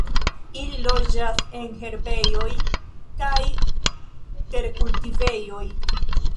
Ili loĝas en herbejoj kaj terkultivejoj.